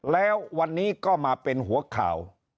แล้ววันนี้ก็มาเป็นหัวข่าว